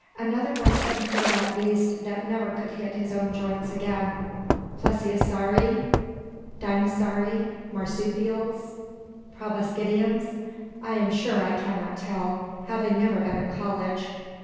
Another was some pulled out beast, that never could hit his own joints again plesiosauri, deinosauri, marsupials, proboscidians I am sure I cannot tell, having never been at college.